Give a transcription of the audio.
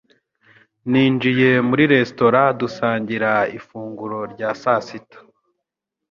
Ninjiye muri resitora dusangira ifunguro rya sasita.